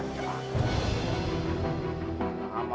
dia akan jatuh